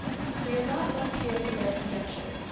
We are not left here to bare conjecture.